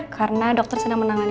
karena dokter sedang menangani